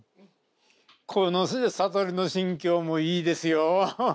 この悟りの心境もいいですよ。